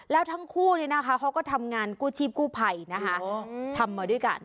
แล้วทั้งคู่เขาก็ท้องงานชีพกู้ไพทำมาด้วยกัน